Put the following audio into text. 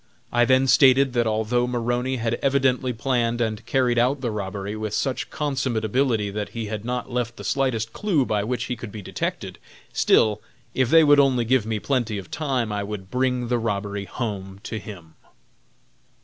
I then stated that although Maroney had evidently planned and carried out the robbery with such consummate ability that he had not left the slightest clue by which he could be detected, still, if they would only give me plenty of time, I would bring the robbery home to him.